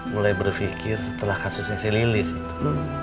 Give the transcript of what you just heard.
mulai berpikir setelah kasusnya sih lilis itu